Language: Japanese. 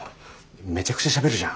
めちゃくちゃしゃべるじゃん。